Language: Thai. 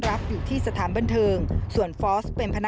แล้วกระหน่ำยิงใส่ทั้ง๒คน